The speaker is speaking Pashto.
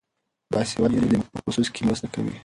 باسواده نجونې د میوو په پروسس کې مرسته کوي.